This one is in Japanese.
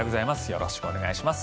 よろしくお願いします。